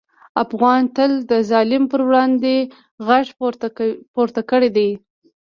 افغان تل د ظلم پر وړاندې غږ پورته کړی دی.